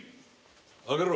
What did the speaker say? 開けろ。